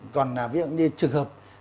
còn ví dụ như trường hợp